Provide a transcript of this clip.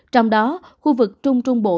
trong đó khu vực trung trung bộ